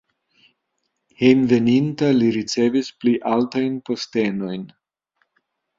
Hejmenveninta li ricevis pli altajn postenojn.